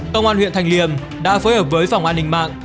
công an huyện thanh liêm đã phối hợp với phòng an ninh mạng